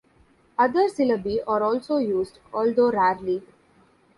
Other syllabi are also used, although rarely.